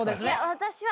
私は。